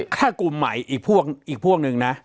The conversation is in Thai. ถ้ากลุ่มใหม่อีกพวกอีกพวกหนึ่งนะ